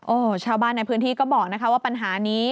โอ้โหชาวบ้านในพื้นที่ก็บอกนะคะว่าปัญหานี้